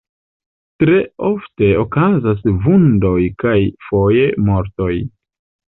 Tre ofte okazas vundoj kaj foje mortoj.